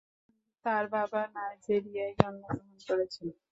তার বাবা-মা নাইজেরিয়ায় জন্মগ্রহণ করেছেন।